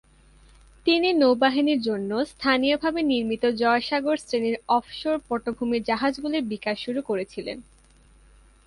তিনি নৌবাহিনীর জন্য স্থানীয়ভাবে নির্মিত জয়সাগর-শ্রেণির অফশোর পটভূমির জাহাজগুলির বিকাশ শুরু করেছিলেন।